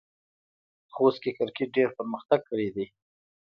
خوست کې کرکټ ډېر پرمختګ کړی دی.